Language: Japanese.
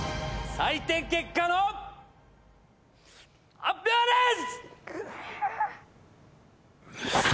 採点結果の発表です！